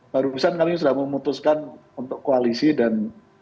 barusan kami sudah memutuskan untuk koalisi dan